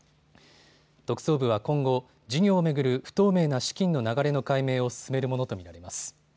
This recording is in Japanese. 特捜部は今後、事業を巡る不透明な資金の流れの解明を進めるものと見られます。